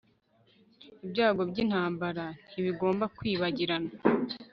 Ibyago byintambara ntibigomba kwibagirana